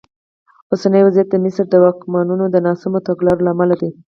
اوسنی وضعیت د مصر د واکمنانو د ناسمو تګلارو له امله دی.